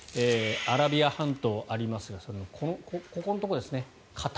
アラビア半島ありますがここのところですね。